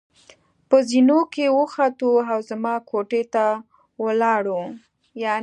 په زېنو کې وختو او زما کوټې ته ولاړو.